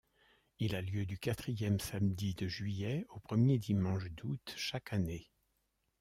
Il a lieu du quatrième samedi de juillet au premier dimanche d’août chaque année.